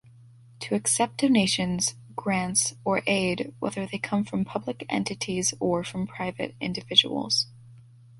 To accept donations, grants or aid, whether they come from public entities or from private individuals.